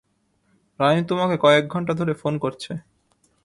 Rhyme তোমাকে কয়েক ঘন্টা ধরে ফোন করছে।